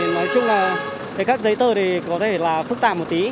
nói chung là các giấy tờ thì có thể là phức tạp một tí